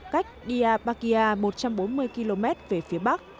cách diabakia một trăm bốn mươi km về phía bắc